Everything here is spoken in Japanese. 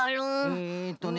えっとね